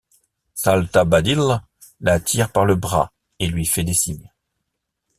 Saltabadil la tire par le bras et lui fait des signes.